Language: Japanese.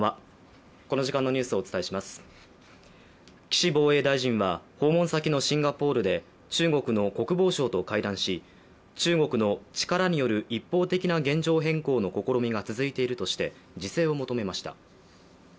岸防衛大臣は訪問先のシンガポールで中国の国防相と会談し中国の力による一方的な現状変更の試みが続いているとして自制を求めました。